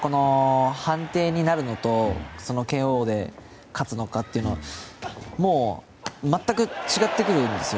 判定になるのとＫＯで勝つのかは全く違ってくるんですよ。